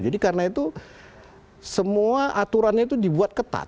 jadi karena itu semua aturannya itu dibuat ketat